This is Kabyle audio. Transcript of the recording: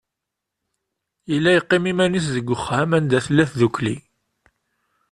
Yella yeqqim iman-is deg uxxam anda tella tdukkli.